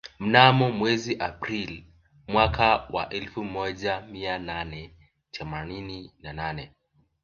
Mnamo mwezi Aprili mwaka wa elfu moja mia nane themanini na nane